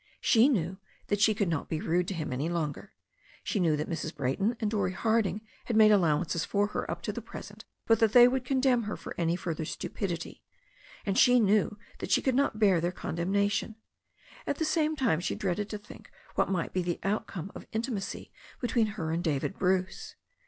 She knew that she could not be rude to him any k)nger. She knew that Mrs. Brayton and Dorrie Harding had made allowance for her up to the present, but that they would condemn her for any further stupidity. And she knew that she could not bear their condemnation. At the same time she dreaded to think what might be the outcome of intimacy between her and David Bruce.